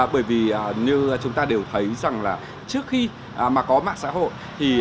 bởi vì như chúng ta đều thấy rằng là trước khi mà có mạng xã hội